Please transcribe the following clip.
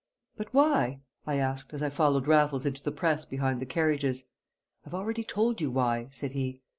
"But why?" I asked, as I followed Raffles into the press behind the carriages. "I've already told you why," said he.